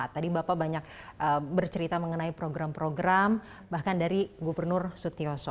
tadi bapak banyak bercerita mengenai program program bahkan dari gubernur sutyoso